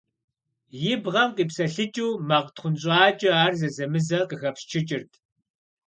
И бгъэм къипсэлъыкӀыу макъ тхъунщӀакӀэ ар зэзэмызэ къыхэпсчыкӀырт.